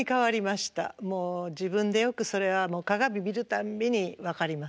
もう自分でよくそれはもう鏡見るたんびに分かります。